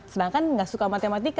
sedangkan gak suka matematika